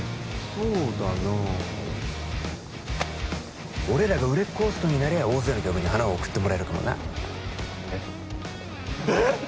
そうだな俺らが売れっ子ホストになりゃ大勢の客に花を贈ってもらえるかもなえっええっ！？